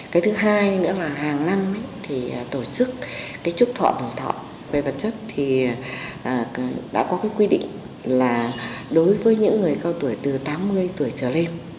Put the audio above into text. cái thứ hai nữa là hàng năm tổ chức chúc thọ bằng thọ về vật chất đã có quy định là đối với những người cao tuổi từ tám mươi tuổi trở lên